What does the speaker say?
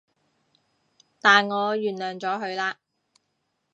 但我原諒咗佢喇